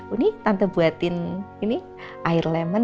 uni tante buatin ini air lemon